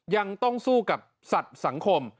ยังต้องสู้กับสัตว์สังคม